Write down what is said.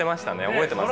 覚えてます